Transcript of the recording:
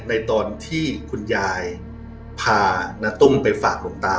ในตอนที่คุณยายพานัตย์ตุ้มไปฝากลมตา